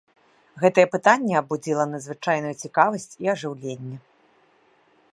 Гэтае пытанне абудзіла надзвычайную цікавасць і ажыўленне.